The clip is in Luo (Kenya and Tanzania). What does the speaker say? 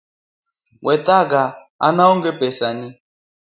We thaga an aonge pesa sani